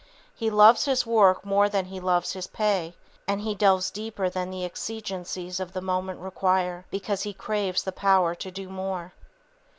He loves his work more than he loves his pay, and he delves deeper than the exigencies of the moment require, because he craves the power to do more.